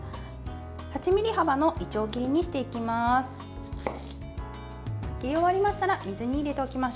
８ｍｍ幅のいちょう切りにしていきます。